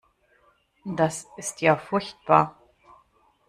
Das ist ja furchtbar.